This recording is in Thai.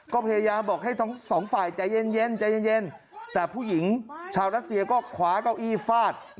ก็พยายามบอกให้ทั้งสองฝ่ายใจเย็นใจเย็นแต่ผู้หญิงชาวรัสเซียก็คว้าเก้าอี้ฟาด